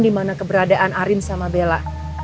dimana keberadaan arin sama bella